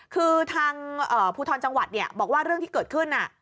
คือทางภูทรจังหวัดบอกว่าเรื่องที่เกิดขึ้น